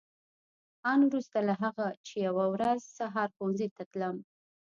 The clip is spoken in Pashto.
آن وروسته له هغه چې یوه ورځ سهار ښوونځي ته تلم.